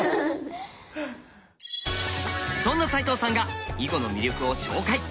そんな齋藤さんが囲碁の魅力を紹介！